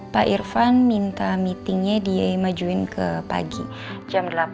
pak irvan minta meetingnya dia majuin ke pagi jam delapan